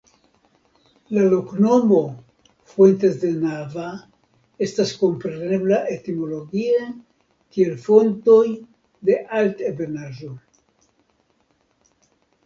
La loknomo "Fuentes de Nava" estas komprenebla etimologie kiel Fontoj de Altebenaĵo.